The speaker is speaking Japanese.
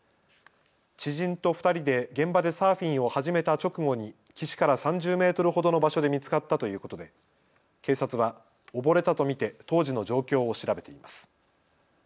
知人と２人で現場でサーフィンを始めた直後に岸から３０メートルほどの場所で見つかったということで警察は溺れたと見て当時の状況を調べています。